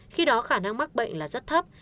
khi đó khả năng mắc bệnh là rất thấp